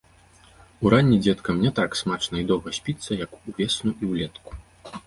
Уранні дзеткам не так смачна і доўга спіцца, як увесну і ўлетку.